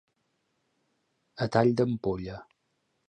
A tall d'ampolla.